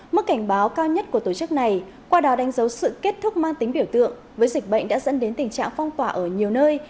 mức cảnh báo cao nhất của tổ chức này qua đó đánh dấu sự kết thúc mang tính biểu tượng với dịch bệnh đã dẫn đến tình trạng phong tỏa ở nhiều nơi